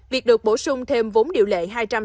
việc được bổ sung thêm vốn điều lệ